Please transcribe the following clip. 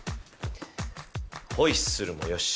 ホイッスルもよし。